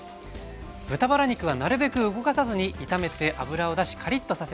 豚バラ肉はなるべく動かさずに炒めて脂を出しカリッとさせます。